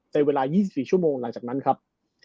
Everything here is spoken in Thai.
ในเวลา๒๔ชั่วโมงหลังจากนั้นครับ